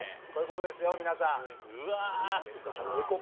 こういう事ですよ皆さん。